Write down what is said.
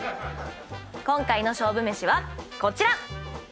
今回の勝負めしはこちら。